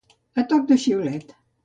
A toc de xiulet.